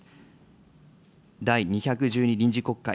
第２１２臨時国会。